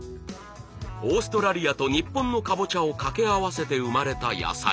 オーストラリアと日本のかぼちゃを掛け合わせて生まれた野菜。